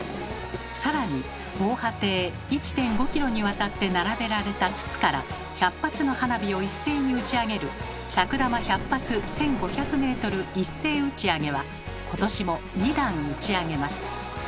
更に防波堤１．５キロにわたって並べられた筒から１００発の花火を一斉に打ち上げる「尺玉１００発１，５００メートル一斉打上」は今年も２弾打ち上げます。